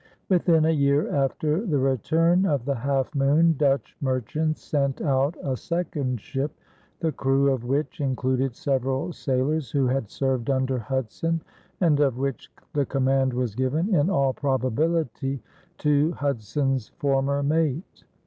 Within a year after the return of the Half Moon, Dutch merchants sent out a second ship, the crew of which included several sailors who had served under Hudson and of which the command was given, in all probability, to Hudson's former mate.